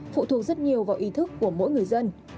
phụ thuộc rất nhiều vào ý thức của mỗi người dân